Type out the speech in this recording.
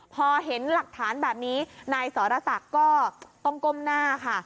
พอเห็นหลักฐานแบบนี้นายสรศักดิ์ก็ต้องก้มหน้าค่ะ